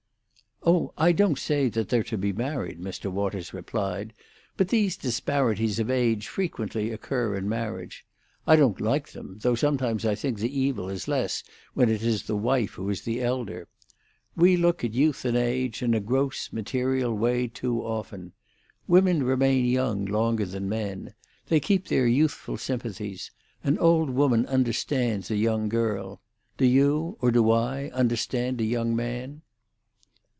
"Oh, I don't say that they're to be married," Mr. Waters replied. "But these disparities of age frequently occur in marriage. I don't like them, though sometimes I think the evil is less when it is the wife who is the elder. We look at youth and age in a gross, material way too often. Women remain young longer than men. They keep their youthful sympathies; an old woman understands a young girl. Do you—or do I—understand a young man?"